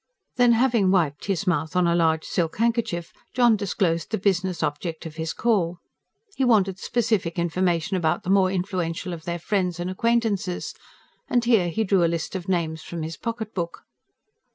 Then, having wiped his mouth on a large silk handkerchief, John disclosed the business object of his call. He wanted specific information about the more influential of their friends and acquaintances; and here he drew a list of names from his pocket book.